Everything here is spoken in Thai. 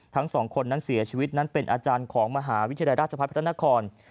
ทั้งสองคนนั้นเสียชีวิตนั้นเป็นอาจารย์ของมหาวิทยาลัยราชพัฒนพระนคร